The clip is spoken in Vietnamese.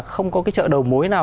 không có cái chợ đầu mối nào